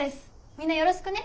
みんなよろしくね。